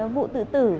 vụ tử tử